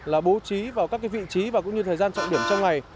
là bố trí vào các vị trí và cũng như thời gian trọng điểm trong ngày